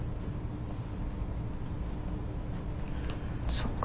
そっか。